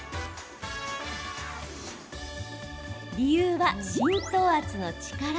理由は、浸透圧の力。